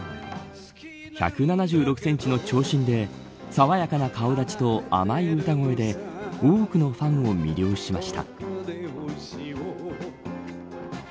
１７６センチの長身でさわやかな顔立ちと甘い歌声で多くのファンを魅了しました。